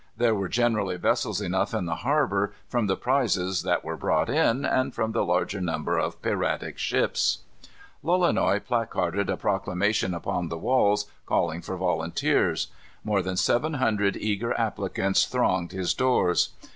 There were generally vessels enough in the harbor, from the prizes that were brought in, and from the large number of piratic ships. Lolonois placarded a proclamation upon the walls, calling for volunteers. More than seven hundred eager applicants thronged his doors.